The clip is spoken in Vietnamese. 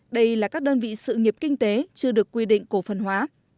đây là các đơn vị sự nghiệp kinh tế chưa được quy định cổ phần hóa